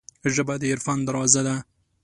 ژبه د عرفان دروازه ده